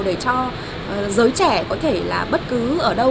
để cho giới trẻ có thể là bất cứ ở đâu